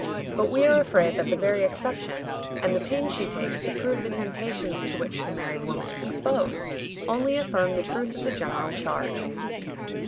But we are afraid that the very exception, and the pains she takes to prove the temptations to which the married woman is exposed, only affirm the truth of the general charge.